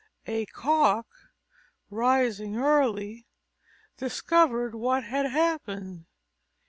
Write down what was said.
A Cock, rising early, discovered what had happened.